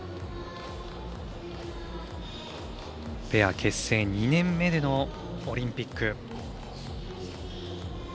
ペア結成２年目でのオリンピック。